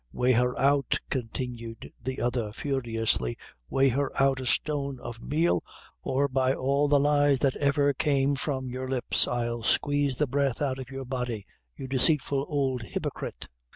"Weigh her out," continued the other, furiously; "weigh her out a stone of meal, or by all the lies that ever came from your lips, I'll squeeze the breath out of your body, you deceitful ould hypocrite."